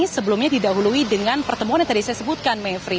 sebelumnya didahului dengan pertemuan yang tadi saya sebutkan mevri